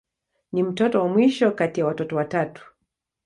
Ni mtoto wa mwisho kati ya watoto watatu.